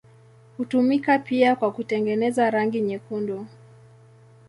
Hutumika pia kwa kutengeneza rangi nyekundu.